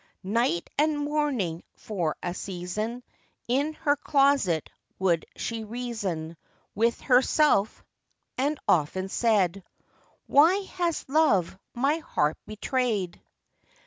Night and morning, for a season, In her closet would she reason With herself, and often said, 'Why has love my heart betrayed?